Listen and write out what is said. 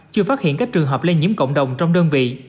chưa phát hiện các trường hợp lây nhiễm cộng đồng trong đơn vị